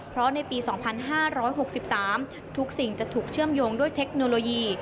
เพราะในปี๒๕๖๓ทุกสิ่งจะถูกเชื่อมโยงด้วยเทคโนโลยี